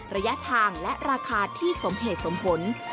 ระยะทางและราคาที่สมเหตุสมผล